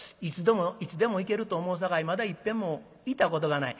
いつでも行けると思うさかいまだいっぺんも行ったことがない」。